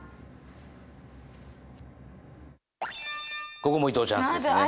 ここも伊藤チャンスですね。